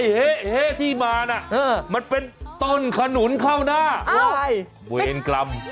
ไอ้เฮที่มาน่ะมันเป็นต้นขนุนเข้าหน้าเอ้า